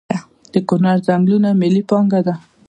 د کنړ ځنګلونه ملي پانګه ده؟